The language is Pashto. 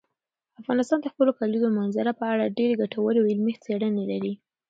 افغانستان د خپلو کلیزو منظره په اړه ډېرې ګټورې او علمي څېړنې لري.